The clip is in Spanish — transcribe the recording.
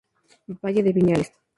Valle de Viñales